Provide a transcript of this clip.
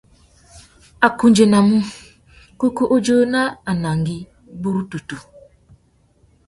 A kundzénamú : kúkú u zú nà anangüî burútutu.